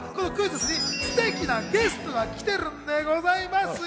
今日はクイズッスにステキなゲストが来てるんでございますよ。